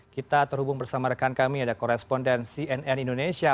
kita terhubung bersama rekan kami ada koresponden cnn indonesia